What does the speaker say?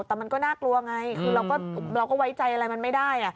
แต่มันก็น่ากลัวไงคือเราก็ไว้ใจอะไรมันไม่ได้